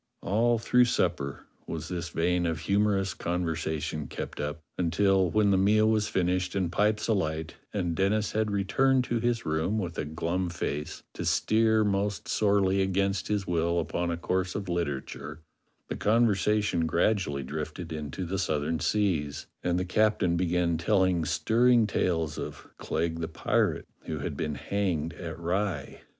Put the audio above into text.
CLEGG THE BUCCANEER 47 All through supper was this vein of humorous con versation kept up, until when the meal was finished and pipes alight, and Denis had retired to his room with a glum face to steer most sorely against his will upon a course of literature, the conversation gradually drifted into the Southern Seas, and the captain began telling stirring tales of Clegg the pirate, who had been hanged at Rye.